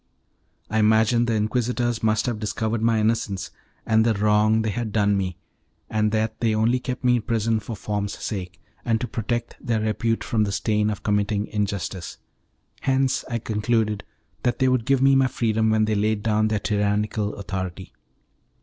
I imagined the Inquisitors must have discovered my innocence and the wrong they had done me, and that they only kept me in prison for form's sake, and to protect their repute from the stain of committing injustice; hence I concluded that they would give me my freedom when they laid down their tyrannical authority.